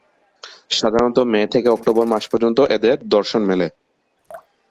সাধারণত মে থেকে অক্টোবর মাস পর্যন্ত এদের দর্শন মেলে।